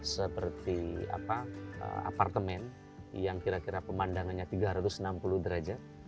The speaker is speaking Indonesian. seperti apartemen yang kira kira pemandangannya tiga ratus enam puluh derajat